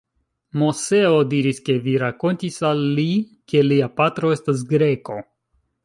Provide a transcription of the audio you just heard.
Moseo diris, ke vi rakontis al li, ke lia patro estas Greko.